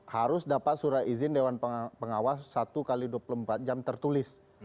harus dapat surat izin dewan pengawas satu x dua puluh empat jam tertulis